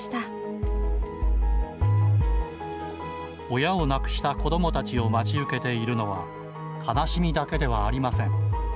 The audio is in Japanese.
親を亡くした子どもたちを待ち受けているのは悲しみだけではありません。